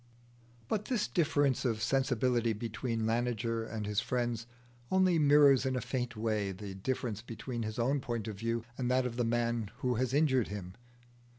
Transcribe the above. But this difference of sensibility between Laniger and his friends only mirrors in a faint way the difference between his own point of view and that of the man who has injured him.